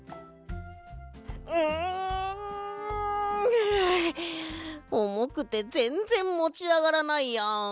はあおもくてぜんぜんもちあがらないや。